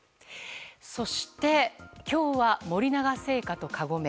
そして、今日は森永製菓とカゴメ。